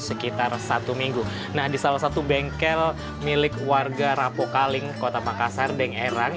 sekitar satu minggu nah di salah satu bengkel milik warga rapokaling kota makassar deng erang